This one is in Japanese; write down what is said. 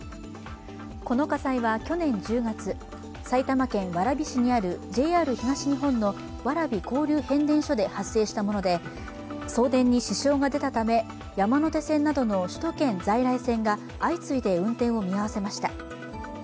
この火災は去年１０月、埼玉県蕨市にあるＪＲ東日本の蕨交流変電所で発生したもので、送電に支障が出たため山手線などの首都圏在来線が相次いで運転を見合わせました。